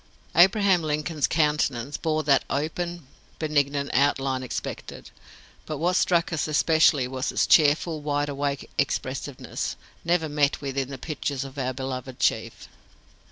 "Abraham Lincoln's countenance bore that open, benignant outline expected; but what struck us especially was its cheerful, wide awake expressiveness, never met with in the pictures of our beloved chief.